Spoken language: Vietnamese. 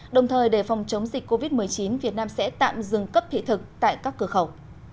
đồng thời để phòng chống dịch covid một mươi chín việt nam sẽ tạm dừng cấp thị thực tại các cửa khẩu